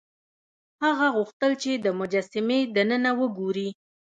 هغه غوښتل چې د مجسمې دننه وګوري.